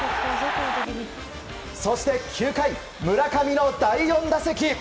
そして、９回村上の第４打席。